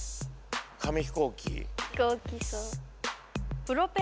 紙飛行機？